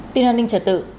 tin an ninh trật tự